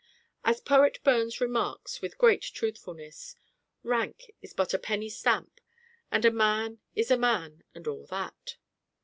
As Poet BURNS remarks with great truthfulness, "_Rank is but a penny stamp and a Man is a Man and all that.